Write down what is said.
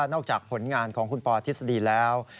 จากผลงานของคุณปอทฤษฎีแล้ว